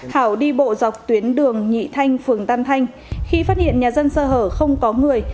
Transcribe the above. hảo đi bộ dọc tuyến đường nhị thanh phường tam thanh khi phát hiện nhà dân sơ hở không có người